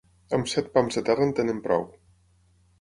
Amb set pams de terra en tenen prou.